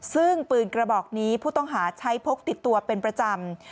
ซึ่งปืนกระบอกนี้ผู้ต้องหาใช้พกติดตัวเป็นประจำ